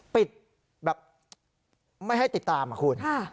ปิดแบบไม่ให้ติดตามอะคุณ